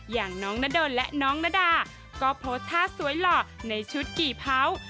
อย่างน้องนาดนและน้องนาดาก็โพสต์ท่าสวยหล่อในชุดกี่เผา